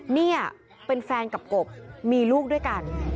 เนี่ยเป็นแฟนกับกบมีลูกด้วยกัน